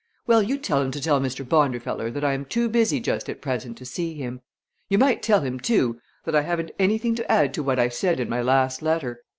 "Well, you tell 'em to tell Mr. Bondifeller that I am too busy just at present to see him. You might tell him, too, that I haven't anything to add to what I said in my last letter.